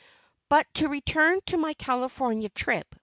But to return to my California trip.